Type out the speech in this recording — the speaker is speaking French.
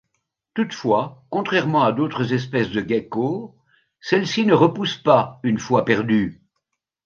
Toutefois, contrairement à d'autres espèces de geckos, celle-ci ne repousse pas une fois perdue.